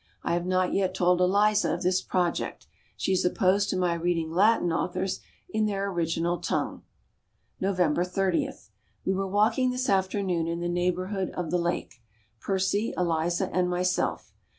I have not yet told Eliza of this project. She is opposed to my reading Latin authors in their original tongue. November 30. We were walking this afternoon in the neighbourhood of the lake. Percy, Eliza and myself.